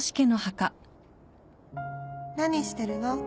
何してるの？